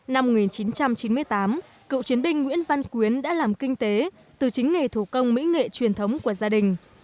năm một nghìn chín trăm chín mươi tám cựu chiến binh nguyễn văn quyến đã làm kinh tế từ chính nghề thủ công mỹ nghệ truyền thống của gia đình